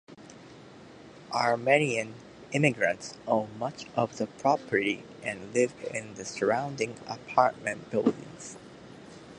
Armenian immigrants own much of the property and live in the surrounding apartment buildings.